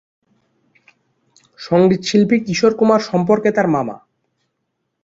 সংগীত শিল্পী কিশোর কুমার সম্পর্কে তার মামা।